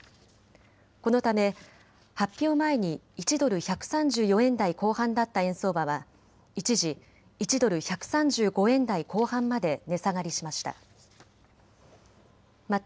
このため発表前に１ドル１３４円台後半だった円相場は一時１ドル１３５円台後半まで値下がりしました。